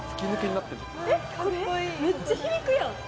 えっめっちゃ響くやん。